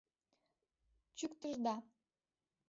Чӱктышда.